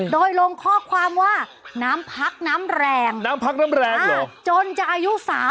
โดยลงข้อความว่าย